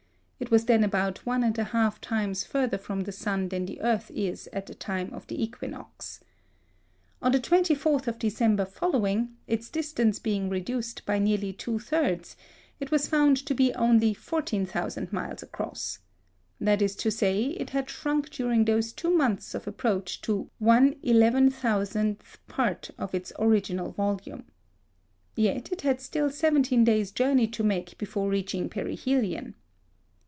It was then about one and a half times further from the sun than the earth is at the time of the equinox. On the 24th of December following, its distance being reduced by nearly two thirds, it was found to be only 14,000 miles across. That is to say, it had shrunk during those two months of approach to 1/11000th part of its original volume! Yet it had still seventeen days' journey to make before reaching perihelion.